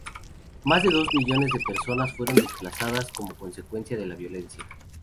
Más de dos millones de personas fueron desplazadas como consecuencia de la violencia.